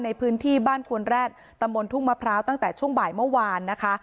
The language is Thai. ในพื้นที่บ้านควนแร็ดตำบลทุ่งมะพร้าวตั้งแต่ช่วงบ่ายเมื่อวานนะคะ